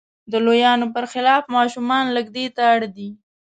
د لویانو پر خلاف ماشومان لږ دې ته اړ دي.